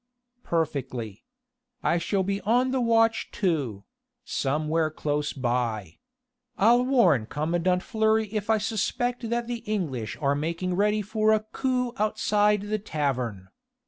"Perfectly. I shall be on the watch too somewhere close by.... I'll warn commandant Fleury if I suspect that the English are making ready for a coup outside the tavern.